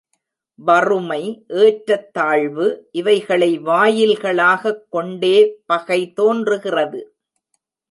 வறுமை ஏற்றத்தாழ்வு இவைகளை வாயில்களாகக் கொண்டே பகை தோன்றுகிறது.